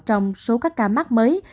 trong số các ca mắc mới